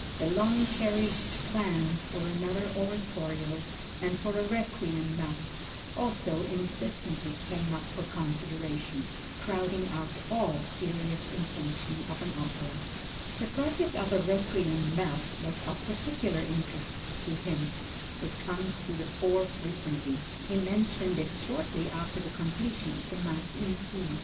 The long cherished plans for another oratorio, and for a Requiem Mass also insistently came up for consideration, crowding out all serious intention of an opera. The project of a Requiem Mass was of particular interest to him; it comes to the fore frequently. He mentioned it shortly after the completion of the Mass in C.